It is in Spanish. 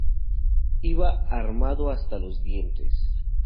Iba armado hasta los dientes